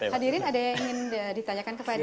hadirin ada yang ingin ditanyakan kepada